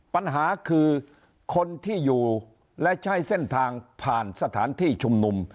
ปัญหาคือคนที่อยู่และใช้เส้นทางผ่านสถานที่ชุมนุม